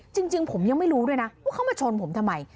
จริงผมยังไม่รู้ด้วยนะว่าเขามาชนผมทำไม